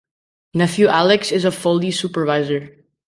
Nephew Alex is a foley supervisor.